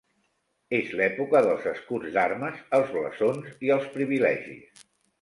És l'època dels escuts d'armes, els blasons i els privilegis.